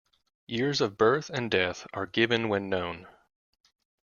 Years of birth and death are given when known.